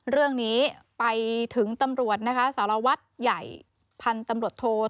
เรื่องนี้ไปถึงตำรวจนะคะสารวัตรใหญ่พันธุ์ตำรวจโท